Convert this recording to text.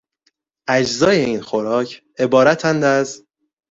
اجزای این خوراک عبارتند از...